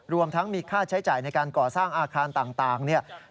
รวมทั้งมีค่าใช้จ่ายในการก่อสร้างอาคารต่างเนี่ย